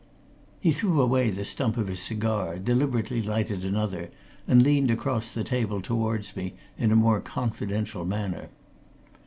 He threw away the stump of his cigar, deliberately lighted another, and leaned across the table towards me in a more confidential manner.